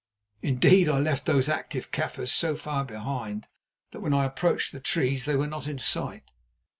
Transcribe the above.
Indeed, I left those active Kaffirs so far behind that when I approached the trees they were not in sight.